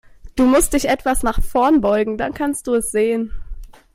Du musst dich etwas nach vorn beugen, dann kannst du es sehen.